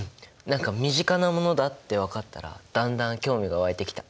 何か身近なものだって分かったらだんだん興味が湧いてきた！